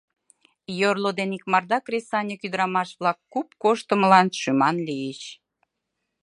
Йорло ден икмарда кресаньык ӱдырамаш-влак куп коштымылан шӱман лийыч.